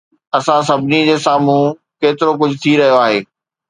اسان سڀني جي سامهون ڪيترو ڪجهه ٿي رهيو آهي